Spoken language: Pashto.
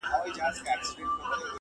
هغه نښې چې ښيي ته قوي او خاص یې!